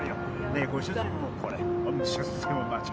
ねえご主人もこれ出世も間違いない。